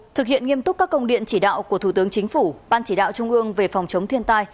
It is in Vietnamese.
thực hiện nghiêm túc các công điện chỉ đạo của thủ tướng chính phủ ban chỉ đạo trung ương về phòng chống thiên tai